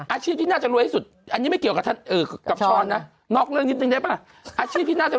อาชีพที่น่าจะรวยที่สุดอันนี้ไม่เกี่ยวกับช้อนนะนอกเรื่องนิดนึงได้ป่ะอาชีพที่น่าจะ